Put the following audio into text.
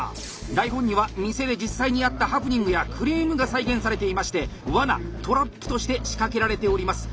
台本には店で実際にあったハプニングやクレームが再現されていまして罠「トラップ」として仕掛けられております。